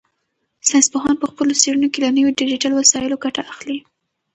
ساینس پوهان په خپلو څېړنو کې له نویو ډیجیټل وسایلو ګټه اخلي.